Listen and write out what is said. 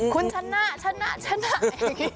คุณชนะอย่างนี้